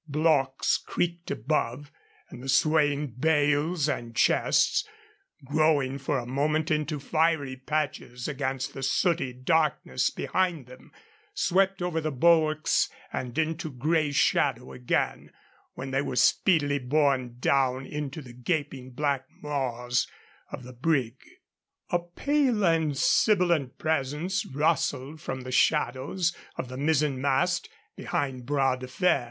Blocks creaked above, and the swaying bales and chests, growing for a moment into fiery patches against the sooty darkness behind them, swept over the bulwarks and into gray shadow again, when they were speedily borne down into the gaping black maws of the brig. A pale and sibilant presence rustled from the shadows of the mizzen mast behind Bras de Fer.